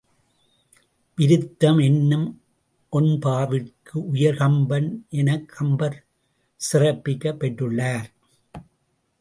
விருத்தம் என்னும் ஒண்பாவிற்கு உயர்கம்பன் எனக் கம்பர் சிறப்பிக்கப் பெற்றுள்ளார்.